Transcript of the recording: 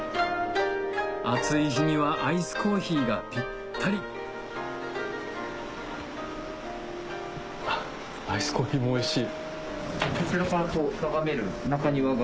暑い日にはアイスコーヒーがぴったりあっアイスコーヒーもおいしい。